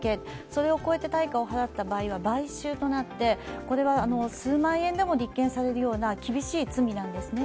それを超えた対価を払った場合は買収となってこれは数万円でも立件されるような厳しい罪なんですね。